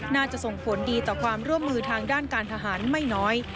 ส่งผลดีต่อความร่วมมือทางด้านการทหารไม่น้อย